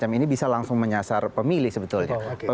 dan semacam ini bisa langsung menyasar pemilih sebetulnya